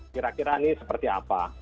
kira kira ini seperti apa